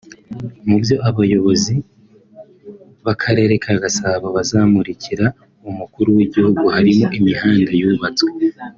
Mu byo abayobozi b’Akarere ka Gasabo bazamurikira Umukuru w’igihugu harimo imihanda yubatswe